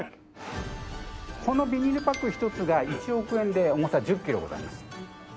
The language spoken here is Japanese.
このビニールパック１つが１億円で重さ１０キロございます。